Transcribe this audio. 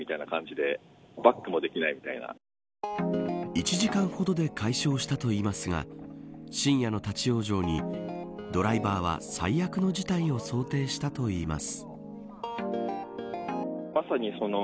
１時間ほどで解消したといいますが深夜の立ち往生にドライバーは最悪の事態を想定したといいます。